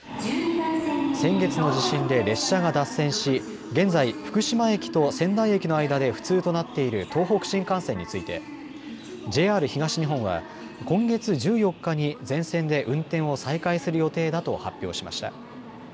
先月の地震で列車が脱線し現在、福島駅と仙台駅の間で不通となっている東北新幹線についてＪＲ東日本は今月１４日に全線で運転を再開する予定だと発表しました。